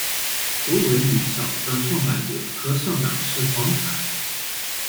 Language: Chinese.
博文女校的创办者和校长是黄侃。